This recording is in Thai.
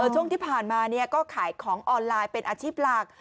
ช่วงที่ผ่านมาก็ขายของออนไลน์เป็นอาชีพหลัก